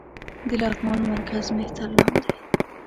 د لغمان مرکز مهترلام دى